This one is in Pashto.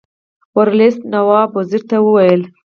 ورلسټ نواب وزیر ته وویل.